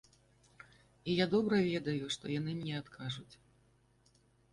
І я добра ведаю, што яны мне адкажуць.